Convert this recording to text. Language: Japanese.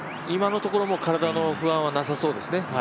今のところ、体の不安はなさそうですね。